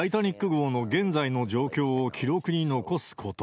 目的はタイタニック号の現在の状況を記録に残すこと。